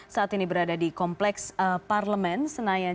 saat ini berada di kompleks parlemen senayan